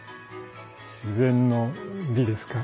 自然の美ですか。